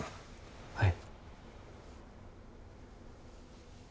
はい。